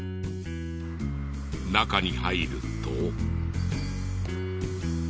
中に入ると。